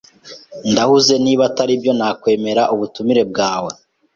Ndahuze. Niba ataribyo, nakwemera ubutumire bwawe.